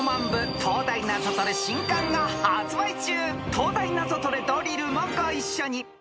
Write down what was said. ［『東大ナゾトレドリル』もご一緒に］